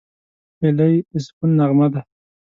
هیلۍ د سکون نغمه ده